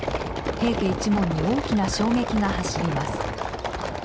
平家一門に大きな衝撃が走ります。